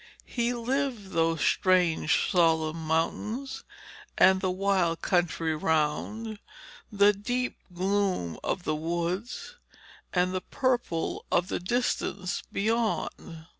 He lived those strange solemn mountains and the wild country round, the deep gloom of the woods and the purple of the distance beyond.